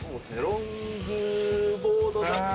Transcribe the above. ロングボードだと。